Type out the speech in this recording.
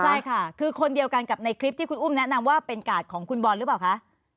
ใช่ค่ะคือคนเดียวกันกับในคลิปที่คุณอุ้มแนะนำว่าเป็นกาดของคุณบอลหรือเปล่าคะ